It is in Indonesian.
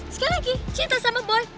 sekali lagi cinta sama board